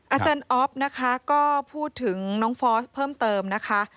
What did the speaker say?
อาจารย์ออฟนะคะก็พูดถึงน้องฟอสเพิ่มเติมนะคะ